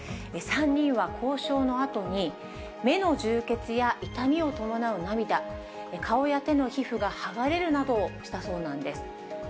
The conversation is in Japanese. ３人は交渉のあとに、目の充血や痛みを伴う涙、顔や手の皮膚が剥がれるなどしたそうなんです。